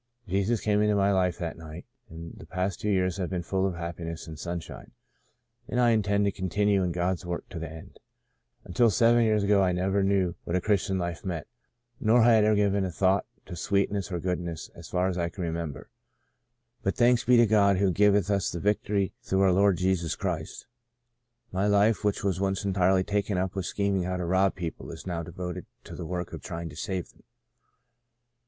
Jesus came into my life that night, and the past two years have been full of happiness and sunshine, and I intend to continue in God's work to the end. Until seven years ago I never knew what a Christian life meant, nor had I ever given a thought to sweetness or goodness as far as I can remember. * But thanks be to God who giveth us the vic tory through our Lord Jesus Christ' my life which once was entirely taken up with lo8 Sons of Ishmael scheming how to rob people is now devoted to the work of trying to save them.